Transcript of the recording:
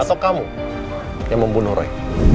atau kamu yang membunuh roy